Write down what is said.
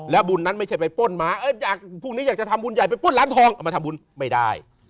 บุญนั้นไม่ใช่ไปป้นม้าพวกนี้อยากจะทำบุญใหญ่ไปปล้นร้านทองเอามาทำบุญไม่ได้